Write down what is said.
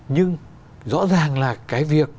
nhưng rõ ràng là cái việc